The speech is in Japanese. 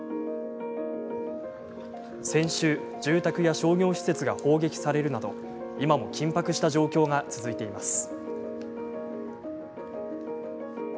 先週、住宅や商業施設が砲撃されるなど今も緊迫した状況が続いています。